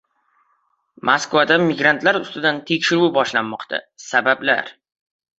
Moskvada migrantlar ustidan tekshiruv boshlanmoqda - sabablar